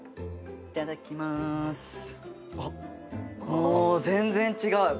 お全然違う。